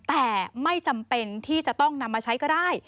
แต่ไม่จำเป็นที่จะต้องนำมาใช้ก็ได้